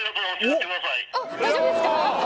あっ大丈夫ですか！？